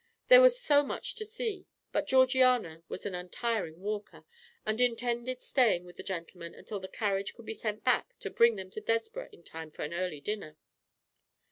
There was so much to see, but Georgiana was an untiring walker, and intended staying with the gentlemen until the carriage should be sent back to bring them to Desborough in time for an early dinner.